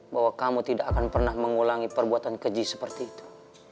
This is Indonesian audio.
bahwa kamu tidak akan pernah mengulangi perbuatan keji seperti itu